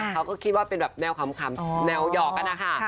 เขาก็คิดว่าเป็นแบบแนวขำแนวหยอกกันนะคะ